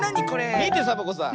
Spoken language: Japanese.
みてサボ子さん。